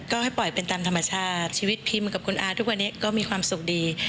ก็มีความสุขดี